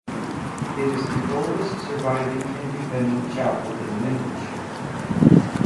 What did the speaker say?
It is the oldest surviving Independent chapel in Lincolnshire.